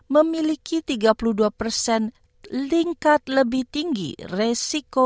memiliki tiga puluh dua persen tingkat lebih tinggi resiko